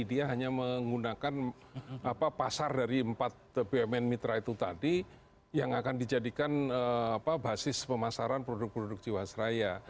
dia hanya menggunakan pasar dari empat bumn mitra itu tadi yang akan dijadikan basis pemasaran produk produk jawa seraya